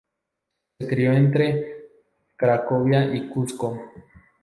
Se crio entre Cracovia y Cusco.